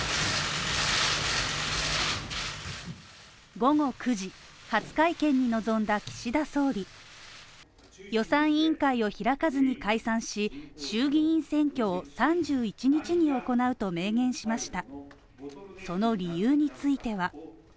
午後９時、初会見に臨んだ岸田総理予算委員会を開かずに解散し、衆議院選挙を３１日に行うと明言しました。